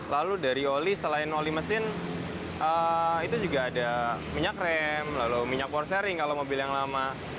lalu dari oli selain oli mesin itu juga ada minyak rem lalu minyak war sharing kalau mobil yang lama